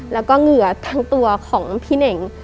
แล้วก็เหงื่อทั้งตัวของพี่เน่ง